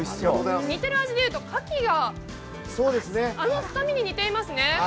似てる味でいうとかきが、あのくさみに似ていますね